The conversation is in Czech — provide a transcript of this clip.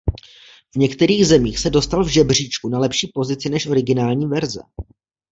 V některých zemích se dostal v žebříčku na lepší pozici než originální verze.